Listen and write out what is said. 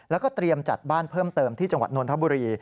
แล้วก็เตรียมจัดบ้านเพิ่มเติมที่จังหวัดนทบุรี